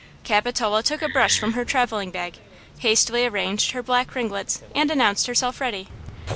Capitola took a brush from her traveling bag, hastily arranged her black ringlets and announced herself ready.